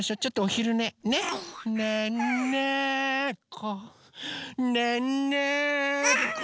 「ねんねこねんねこ」